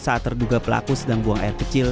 saat terduga pelaku sedang buang air kecil